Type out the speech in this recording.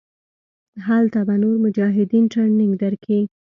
هلته به نور مجاهدين ټرېننګ دركي.